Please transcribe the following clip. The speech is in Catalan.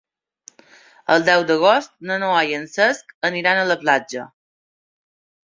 El deu d'agost na Noa i en Cesc aniran a la platja.